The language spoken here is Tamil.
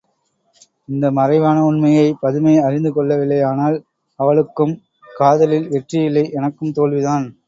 இந்த மறைவான உண்மையைப் பதுமை அறிந்து கொள்ளவில்லையானால் அவளுக்கும் காதலில் வெற்றியில்லை எனக்கும் தோல்விதான்!